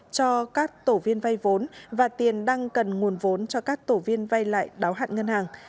cho các tổ viên vay vốn và tiền đang cần nguồn vốn cho các tổ viên vay lại đáo hạn ngân hàng